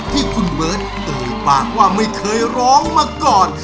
ที่คุณเบิร์ตเอ่ยปากว่าไม่เคยร้องมาก่อน